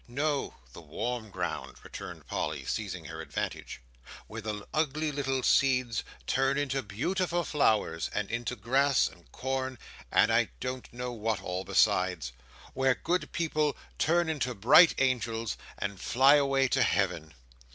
"No! The warm ground," returned Polly, seizing her advantage, "where the ugly little seeds turn into beautiful flowers, and into grass, and corn, and I don't know what all besides. Where good people turn into bright angels, and fly away to Heaven!"